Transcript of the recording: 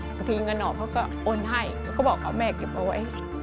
บางทีเงินออกเขาก็โอนให้เขาก็บอกเอาแม่เก็บเอาไว้